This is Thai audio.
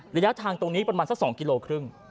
ระยะทางตรงนี้ประมาณสัก๒กิโลครึ่ง